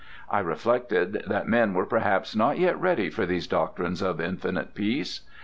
I reflected that men were perhaps not yet ready for these doctrines of infinite peace.